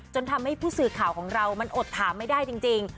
ทำให้ผู้สื่อข่าวของเรามันอดถามไม่ได้จริง